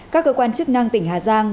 các cơ quan chức năng tỉnh hà giang